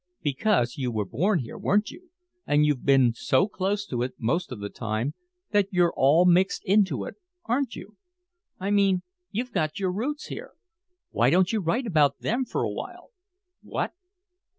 Because you were born here, weren't you and you've been so close to it most of the time that you're all mixed into it, aren't you? I mean you've got your roots here. Why don't you write about them for a while?" "What?"